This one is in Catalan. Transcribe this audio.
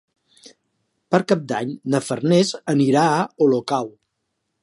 Per Cap d'Any na Farners anirà a Olocau.